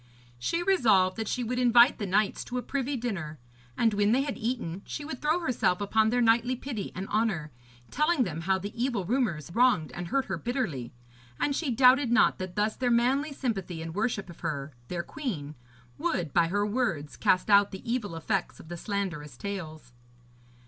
She resolved that she would invite the knights to a privy dinner, and when they had eaten she would throw herself upon their knightly pity and honour, telling them how the evil rumours wronged and hurt her bitterly. And she doubted not that thus their manly sympathy and worship of her, their queen, would, by her words, cast out the evil effects of the slanderous tales.